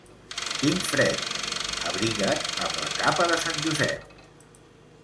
Tinc fred. —Abriga't amb la capa de sant Josep!